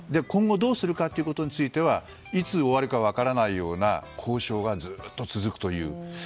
今後、どうするかについてはいつ終わるか分からないような交渉がずっと続くという。